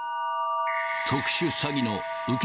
特殊詐欺の受け